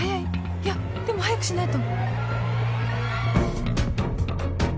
いやでも早くしないと